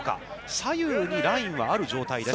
左右にラインはある状態です。